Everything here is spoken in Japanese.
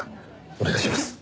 お願いします。